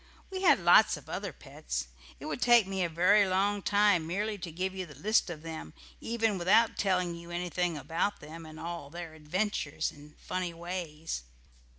We had lots of other pets; it would take me a very long time merely to give you the list of them even without telling you anything about them, and all their adventures and funny ways.